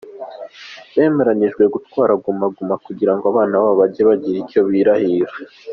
Bemeranyije gutwara Guma Guma kugirango abana babo bajye bagira icyo birahira.